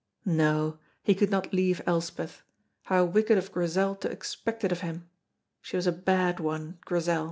No, he could not leave Elspeth, how wicked of Grizel to expect it of him; she was a bad one, Grizel.